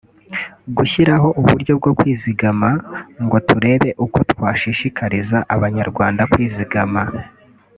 gushyiraho uburyo bwo kwizigama ngo turebe uko twashishikariza Abanyarwanda kwizigama